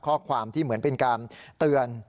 ข้อความที่เหมือนเป็นการเตือน